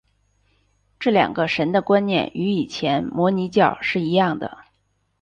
这两个神的观念与以前的摩尼教是一样的。